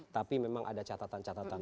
tapi memang ada catatan catatan